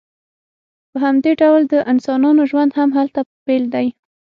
په همدې ډول د انسانانو ژوند هم هلته بیل دی